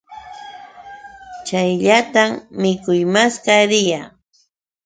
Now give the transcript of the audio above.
Chayllatam mikuy maskaa riyaa.